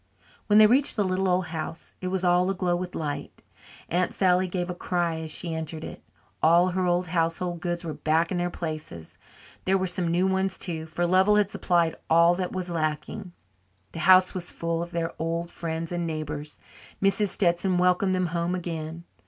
When they reached the little old house, it was all aglow with light. Aunt Sally gave a cry as she entered it. All her old household goods were back in their places. There were some new ones too, for Lovell had supplied all that was lacking. The house was full of their old friends and neighbours. Mrs. Stetson welcomed them home again.